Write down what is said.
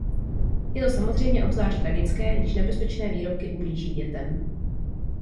Je to samozřejmě obzvlášť tragické, když nebezpečné výrobky ublíží dětem.